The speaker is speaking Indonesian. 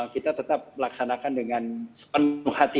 kita tetap melaksanakan dengan sepenuh hati